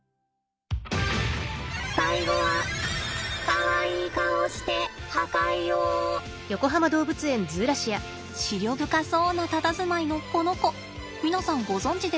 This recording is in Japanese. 最後はかわいい顔して思慮深そうなたたずまいのこの子皆さんご存じですか？